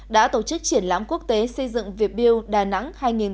đã tổ chức triển lãm quốc tế xây dựng việc biêu đà nẵng hai nghìn một mươi chín